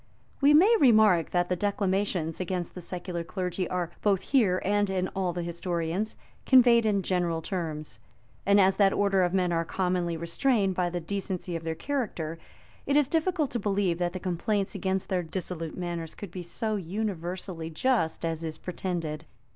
We may remark, that the declamations against the secular clergy are, both here and in all the historians, conveyed in general terms; and as that order of men are commonly restrained by the decency of their character, it is difficult to believe that the complaints against their dissolute manners could be so universally just as is pretended.